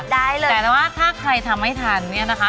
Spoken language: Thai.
ได้เลยแต่ว่าถ้าใครทำไม่ทันเนี่ยนะคะ